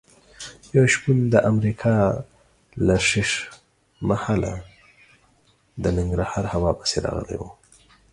یو شپون د امریکا له ښیښ محله د ننګرهار هوا پسې راغلی و.